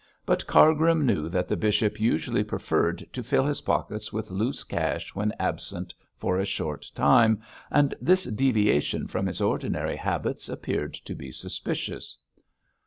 But Cargrim knew that the bishop usually preferred to fill his pockets with loose cash when absent for a short time, and this deviation from his ordinary habits appeared to be suspicious.